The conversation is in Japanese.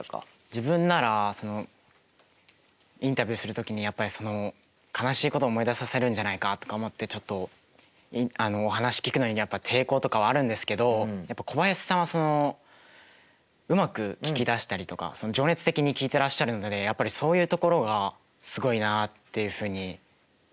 自分ならインタビューする時にやっぱりその悲しいことを思い出させるんじゃないかとか思ってちょっとお話聞くのにやっぱ抵抗とかはあるんですけど小林さんはうまく聞き出したりとか情熱的に聞いていらっしゃるのでやっぱりそういうところがすごいなっていうふうに思いました。